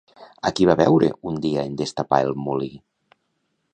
A qui va veure un dia en destapar el molí?